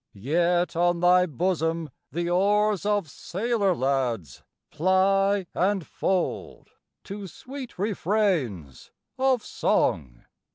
Yet on thy bosom the oars Of sailor lads ply and fold To sweet refrains of song.